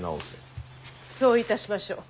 そういたしましょう。